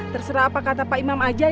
terserah apa kata pak imam aja